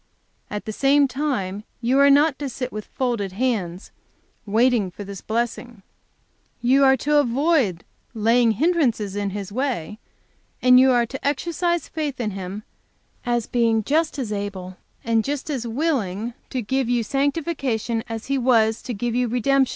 At the same time you are not to sit with folded hands, waiting for this blessing. You are to avoid laying hindrances in His way, and you are to exercise faith in Him as just as able and just as willing to give you sanctification as He was to give you redemption.